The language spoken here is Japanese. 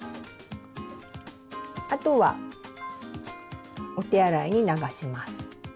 あとはお手洗いに流します。